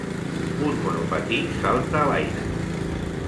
un monopatí salta a l'aire